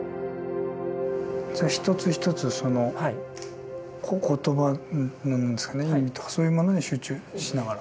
一つ一つその言葉の意味とかそういうものに集中しながら。